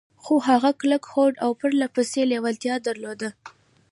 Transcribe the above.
خو هغه کلک هوډ او پرله پسې لېوالتيا درلوده.